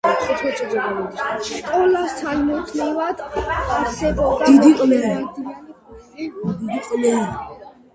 სკოლასთან მუდმივად არსებობდა მოკლევადიანი კურსები.